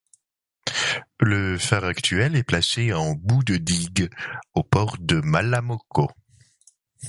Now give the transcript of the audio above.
Le phare actuel est placé en bout de digue, au port de Malamocco.